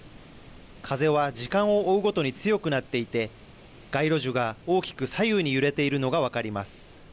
風は時間を追うごとに強くなっていて、街路樹が大きく左右に揺れているのが分かります。